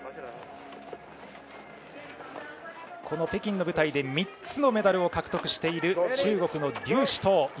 北京の舞台で３つのメダルを獲得している中国の劉思とう。